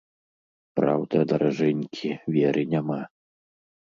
Праўда, даражэнькі, веры няма.